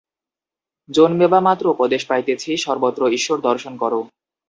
জন্মিবামাত্র উপদেশ পাইতেছি, সর্বত্র ঈশ্বর দর্শন কর।